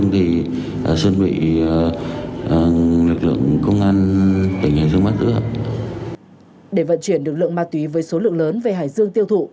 để vận chuyển được lượng ma túy với số lượng lớn về hải dương tiêu thụ